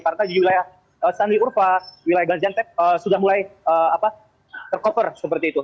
karena di wilayah sandiurfa wilayah gaziantep sudah mulai tercover seperti itu